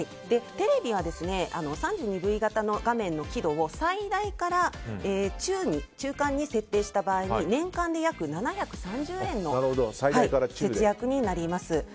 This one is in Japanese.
テレビは３２型の画面の場合輝度を最大から中間に設定した場合に年間で約７３０円の節約になります。